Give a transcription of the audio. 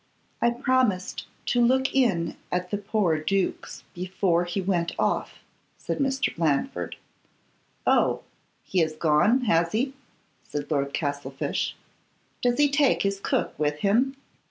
'I promised to look in at the poor duke's before he went off,' said Mr. Blandford. 'Oh! he has gone, has he?' said Lord Castlefyshe. 'Does he take his cook with him?